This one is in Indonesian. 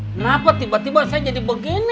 kenapa tiba tiba saya jadi begini